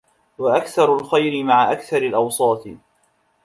وَأَكْثَرُ الْخَيْرِ مَعَ أَكْثَرِ الْأَوْسَاطِ